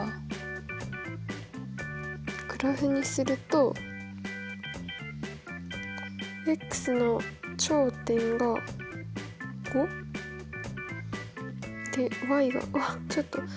グラフにするとの頂点が５？でがわっちょっと。